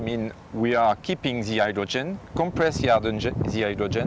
maksud saya kita menjaga hidrogen mengempres hidrogen